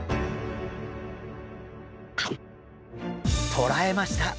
捕らえました。